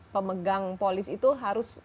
pemegang polis itu harus